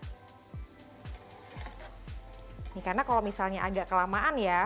ini karena kalau misalnya agak kelamaan ya